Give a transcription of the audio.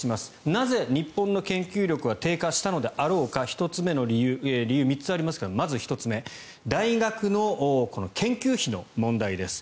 なぜ日本の研究力は低下したのであろうか理由は３つありますがまず１つ目大学の研究費の問題です。